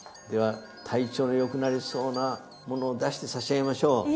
では体調の良くなりそうなものを出してさしあげましょう。